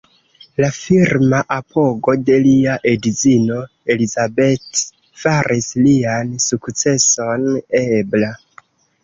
La firma apogo de lia edzino Elizabeth faris lian sukceson ebla.